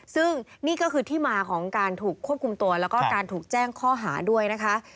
ซึ่งนี่ก็คือที่มาของการถูกควบคุมตัวแล้วก็การถูกแจ้งข้อหาด้วยนะคะ